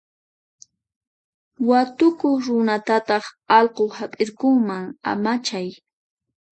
Watukuq runatataq allqu hap'irqunman, amachay.